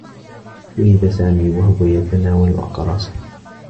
شوهِد سامي و هو يتناول أقراصا.